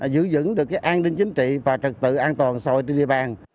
giữ dững được an ninh chính trị và trật tự an toàn so với địa bàn